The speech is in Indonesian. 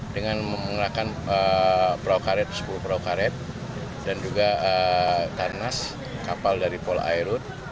dengan menggunakan sepuluh perau karet dan juga tarnas kapal dari polairut